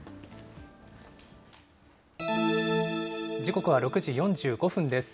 時刻は６時４５分です。